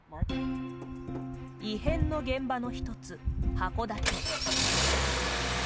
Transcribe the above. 異変の現場の一つ函館。